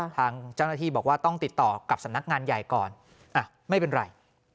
ทางเจ้าหน้าที่บอกว่าต้องติดต่อกับสำนักงานใหญ่ก่อนไม่เป็นไร